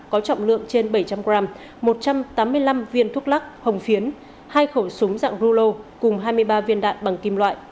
có trọng lượng trên bảy trăm linh g một trăm tám mươi năm viên thuốc lắc hồng phiến hai khẩu súng dạng rulo cùng hai mươi ba viên đạn bằng kim loại